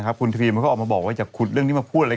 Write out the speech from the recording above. อันนี้เรื่องจริงเด็กมันโตแล้ว